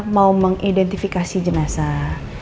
mau mengidentifikasi jenazah